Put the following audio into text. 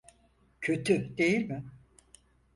Kötü, değil mi?